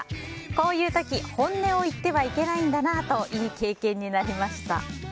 こういう時本音を言ってはいけないんだなといい経験になりました。